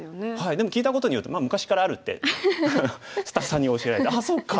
でも聞いたことによって昔からあるってスタッフさんに教えられて「ああそうか」って思って。